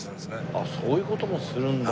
ああそういう事もするんだ。